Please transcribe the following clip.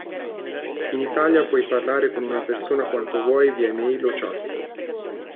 In Italia puoi parlare con una persona quanto vuoi via e-mail o chat.